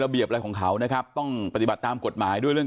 เบียบอะไรของเขานะครับต้องปฏิบัติตามกฎหมายด้วยเรื่อง